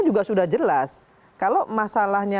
juga sudah jelas kalau masalahnya